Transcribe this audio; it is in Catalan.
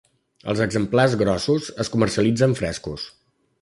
Els exemplars grossos es comercialitzen frescos.